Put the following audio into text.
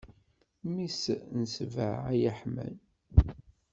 Mmi-s n sbeɛ ay aḥmam.